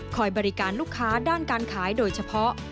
บริการลูกค้าด้านการขายโดยเฉพาะ